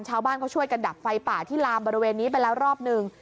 ชาวบ้านเขาช่วยกันดับไฟป่าที่ลามบริเวณนี้ไปแล้วรอบหนึ่ง